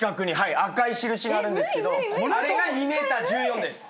赤い印があるんですけどあれが２ｍ１４です。